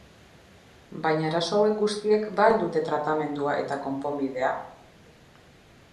Baina arazo hauek guztiek ba al dute tratamendua eta konponbidea?